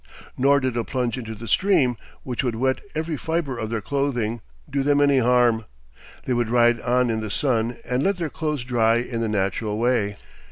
Nor did a plunge into the stream, which would wet every fibre of their clothing, do them any harm. They would ride on in the sun, and let their clothes dry in the natural way.